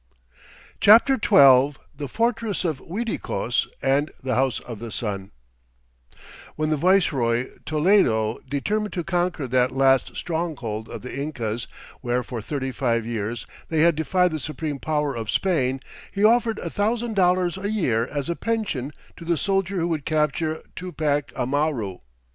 CHAPTER XII The Fortress of Uiticos and the House of the Sun When the viceroy, Toledo, determined to conquer that last stronghold of the Incas where for thirty five years they had defied the supreme power of Spain, he offered a thousand dollars a year as a pension to the soldier who would capture Tupac Amaru.